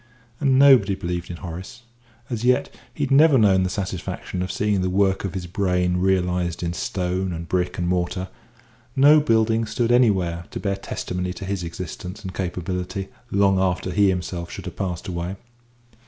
And nobody believed in Horace; as yet he had never known the satisfaction of seeing the work of his brain realised in stone and brick and mortar; no building stood anywhere to bear testimony to his existence and capability long after he himself should have passed away.